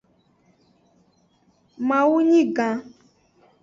Mawu nyi gan.